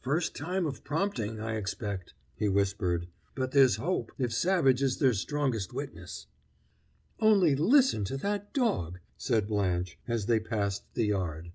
"First time of prompting, I expect!" he whispered. "But there's hope if Savage is their strongest witness." "Only listen to that dog," said Blanche, as they passed the yard.